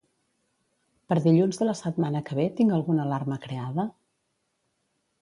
Per dilluns de la setmana que ve tinc alguna alarma creada?